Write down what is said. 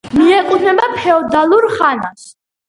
მიეკუთვნება ფეოდალურ ხანას.